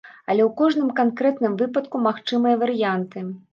Але ў кожным канкрэтным выпадку магчымыя варыянты.